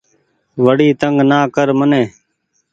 وڙي تنگ نا ڪر مني